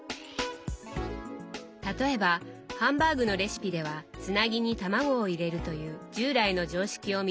例えばハンバーグのレシピではつなぎに卵を入れるという従来の常識を見直す